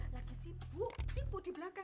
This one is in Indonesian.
tante itu lagi sibuk sibuk di belakang